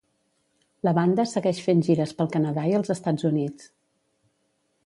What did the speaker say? La banda segueix fent gires pel Canadà i els Estats Units.